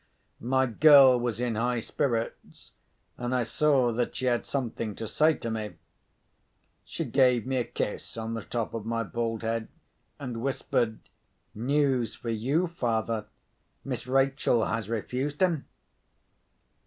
My girl was in high spirits, and I saw she had something to say to me. She gave me a kiss on the top of my bald head, and whispered, "News for you, father! Miss Rachel has refused him."